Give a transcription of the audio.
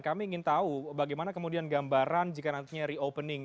kami ingin tahu bagaimana kemudian gambaran jika nantinya reopening